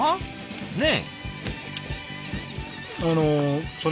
ねえ。